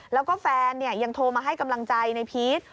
แล้วก็แฟนยังโทรมาให้กำลังใจในพีช